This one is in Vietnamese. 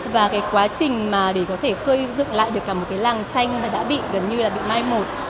và quá trình để có thể khơi dựng lại được cả một làng tranh đã gần như bị may mắn